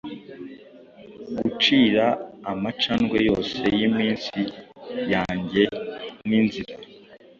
Gucira amacandwe yose yiminsi yanjye ninzira?